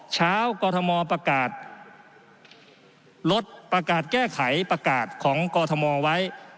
กรทมประกาศลดประกาศแก้ไขประกาศของกรทมไว้